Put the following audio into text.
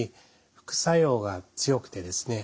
副作用が強くてですね